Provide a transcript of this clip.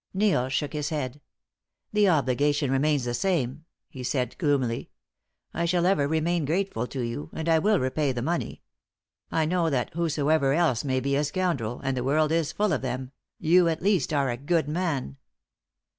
Neil shook his head. "The obligation remains the same," he said, gloomily. "I shall ever remain grateful to you, and I will repay the money. I know that whosoever else may be a scoundrel and the world is full of them you, at least, are a good man."